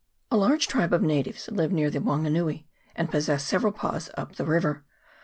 A large tribe of natives live near the Wanganui, and possess several pas up the river.